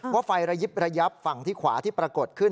ไฟระยิบระยับฝั่งที่ขวาที่ปรากฏขึ้น